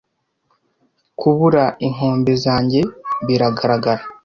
kubura inkombe zanjye biragaragara